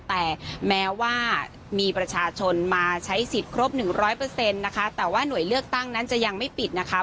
แต่แม้ว่ามีประชาชนมาใช้สิทธิ์ครบหนึ่งร้อยเปอร์เซ็นต์นะคะแต่ว่าหน่วยเลือกตั้งนั้นจะยังไม่ปิดนะคะ